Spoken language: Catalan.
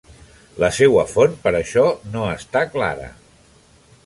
La seua font per això no està clara.